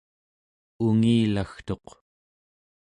ungilagtuq